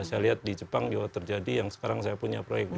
saya lihat di jepang juga terjadi yang sekarang saya punya proyek